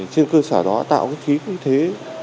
trên cơ sở đó tạo cái khí thế